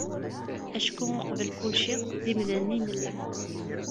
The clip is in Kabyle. Acku uqbel kulci d imdanen i nella.